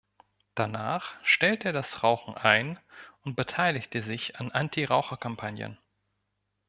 Danach stellte er das Rauchen ein und beteiligte sich an Anti-Raucher-Kampagnen.